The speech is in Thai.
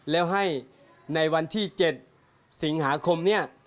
แล้วให้ในวันที่๗สิงหาคมนี้